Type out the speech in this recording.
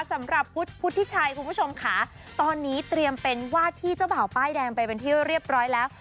สำหรับพุทธพุทธิชัยคุณผู้ชมค่ะตอนนี้เตรียมเป็นวาดที่เจ้าบ่าวป้ายแดงไปเป็นที่เรียบร้อยแล้ว